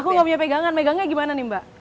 aku gak punya pegangan megangnya gimana nih mbak